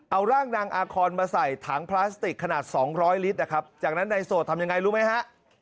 เอาร่างนางอาคอนมาใส่ถังพลาสติกขนาด๒๐๐ลิตรนะครับจากนั้นในโสดทำยังไงรู้ไหมฮะ